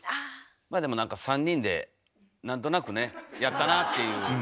まあでもなんか３人で何となくねやったなっていう感じが。